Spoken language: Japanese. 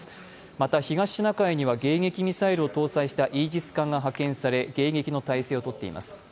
また、東シナ海には迎撃ミサイルを搭載したイージス艦が派遣され、迎撃の態勢をとっています。